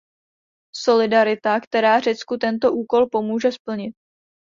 Solidarita, která Řecku tento úkol pomůže splnit.